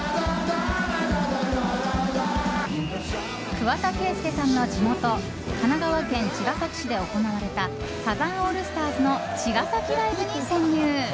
桑田佳祐さんの地元神奈川県茅ヶ崎市で行われたサザンオールスターズの茅ヶ崎ライブに潜入。